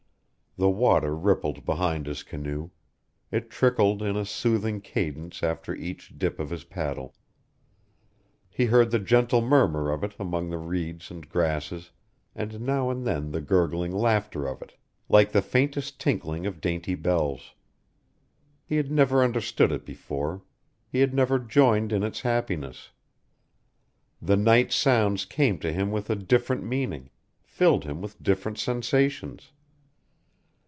The water rippled behind his canoe; it trickled in a soothing cadence after each dip of his paddle; he heard the gentle murmur of it among the reeds and grasses, and now and then the gurgling laughter of it, like the faintest tinkling of dainty bells. He had never understood it before; he had never joined in its happiness. The night sounds came to him with a different meaning, filled him with different sensations.